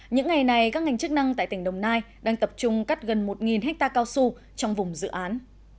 những ngày này các ngành chức năng tại tỉnh đồng nai đang tập trung cắt gần một hectare cao su trong vùng dự án